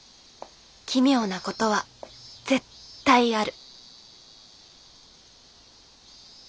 「奇妙なこと」は絶対ある。